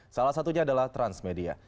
salah satunya adalah transmedia